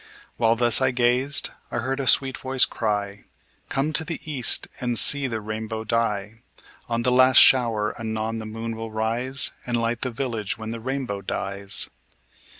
While thus I gazed, I heard a sweet voice cry: "Come to the east, and see the rainbow die. On the last shower anon the moon will rise, And light the village when the rainbow dies."